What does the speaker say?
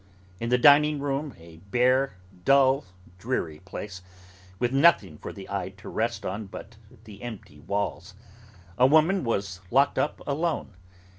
In the dining room, a bare, dull, dreary place, with nothing for the eye to rest on but the empty walls, a woman was locked up alone.